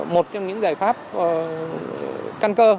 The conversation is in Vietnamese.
một trong những giải pháp căn cơ